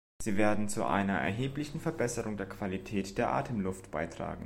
Sie werden zu einer erheblichen Verbesserung der Qualität der Atemluft beitragen.